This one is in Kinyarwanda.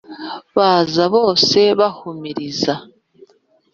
Baza bose bahumiriza!